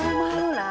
kenal banget lu lah